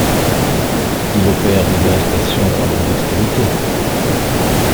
Il opère les arrestations avec dextérité.